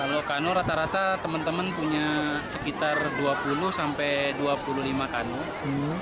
kalau kano rata rata teman teman punya sekitar dua puluh sampai dua puluh lima kanun